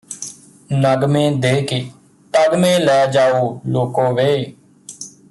ਨਗਮੇ ਦੇ ਕੇ ਤਗਮੇ ਲੈ ਜਾਓ ਲੋਕੋ ਵੇ